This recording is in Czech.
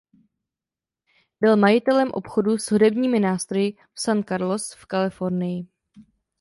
Byl majitelem obchodu s hudebními nástroji v San Carlos v Kalifornii.